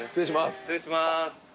失礼します。